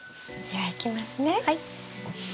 はい。